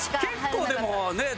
結構でもねえ。